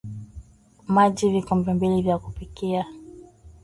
Maji Vikombe mbili vya kupikia